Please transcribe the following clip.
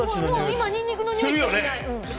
今、ニンニクのにおいしかしない。